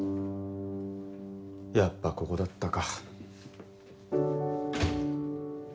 やっぱここだったか。